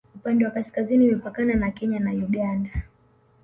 upande wa kaskazini imepakana na kenya na uganda